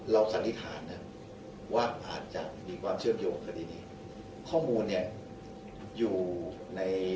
เราสันนิษฐานว่าอาจจะมีความเชื่อมโยงคดีนี้